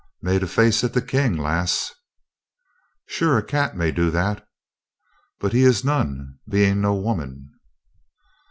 "Made a face at the King, lass !" "Sure a cat may do that" "But he is none, being no woman."